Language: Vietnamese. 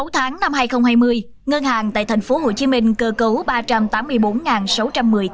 sáu tháng năm hai nghìn hai mươi ngân hàng tại tp hcm cơ cấu ba trăm tám mươi bốn sáu trăm một mươi tỷ đồng